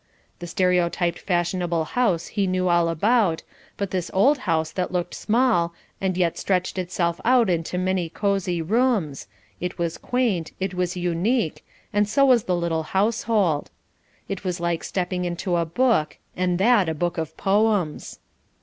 The stereotyped fashionable house he knew all about, but this old house that looked small, and yet stretched itself out into many cosy rooms; it was quaint, it was unique, and so was the little household. It was like stepping into a book, and that a book of poems.